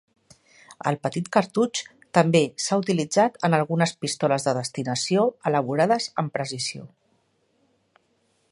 El petit cartutx també s'ha utilitzat en algunes pistoles de destinació elaborades amb precisió.